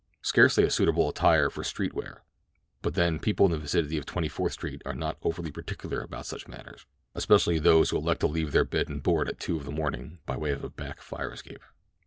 Scarcely a suitable attire for street wear; but then people in the vicinity of Twenty Fourth Street are not over particular about such matters; especially those who elect to leave their bed and board at two of a morning by way of a back fire escape.